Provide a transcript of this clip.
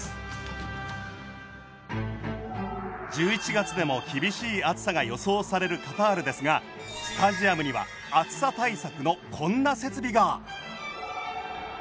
１１月でも厳しい暑さが予想されるカタールですがスタジアムには暑さ対策のこんな設備が！